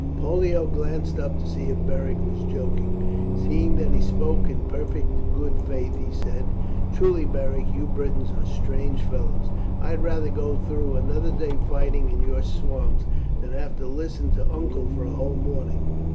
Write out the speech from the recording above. Pollio glanced up to see if Beric was joking. Seeing that he spoke in perfect good faith, he said: "Truly, Beric, you Britons are strange fellows. I would rather go through another day's fighting in your swamps than have to listen to uncle for a whole morning."